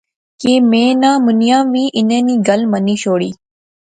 کہ میں ناں منیاں وی انیں نی گل منی شوڑی